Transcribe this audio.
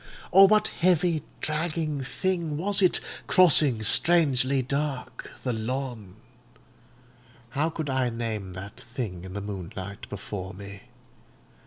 or what heavy, dragging thing was it, crossing, strangely dark, the lawn. How could I name that thing in the moonlight before me?